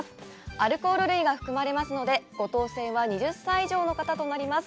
アルコール類が含まれますのでご当せんは２０歳以上の方となります。